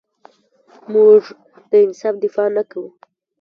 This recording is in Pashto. موږ د انصاف دفاع نه کوو.